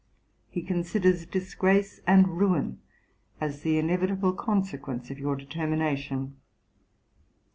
He considers disgrace and ruin as the inevitable consequence of your determination.